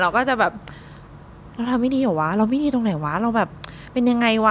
ก็จะแบบเราทำไม่ดีเหรอวะเราไม่ดีตรงไหนวะเราแบบเป็นยังไงวะ